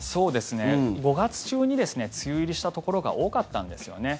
５月中に梅雨入りしたところが多かったんですよね。